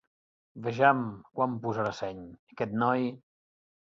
Vejam quan posarà seny, aquest noi!